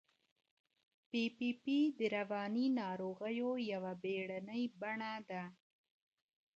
پي پي پي د رواني ناروغیو یوه بیړنۍ بڼه ده.